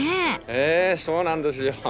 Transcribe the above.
ええそうなんですよ。